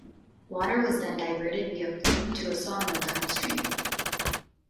Water was then diverted via flume to a sawmill downstream.